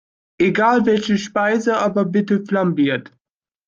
Egal welche Speise, aber bitte flambiert!